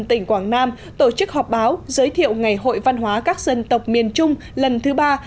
tỉnh quảng nam tổ chức họp báo giới thiệu ngày hội văn hóa các dân tộc miền trung lần thứ ba